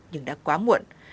nhưng đã quá muộn